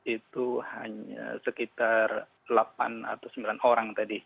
itu hanya sekitar delapan atau sembilan orang tadi